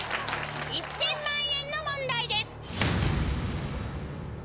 １，０００万円の問題です。